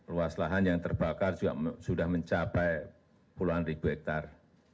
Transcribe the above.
ruas lahan yang terbakar sudah mencapai puluhan ribu hektare